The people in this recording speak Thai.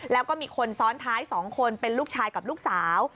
แล้วก็มีคนซ้อนท้าย๒คนเป็นลูกชายกับลูกสาว